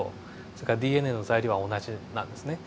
それからＤＮＡの材料は同じなんですね。